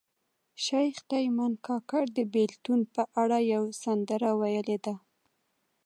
شیخ تیمن کاکړ د بیلتون په اړه یوه سندره ویلې ده